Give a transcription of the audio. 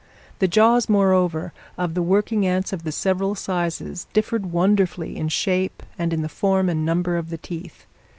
The jaws, moreover, of the working ants of the several sizes differed wonderfully in shape, and in the form and number of the teeth.